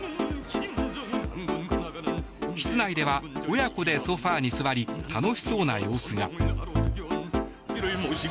室内では、親子でソファに座り楽しそうな様子が。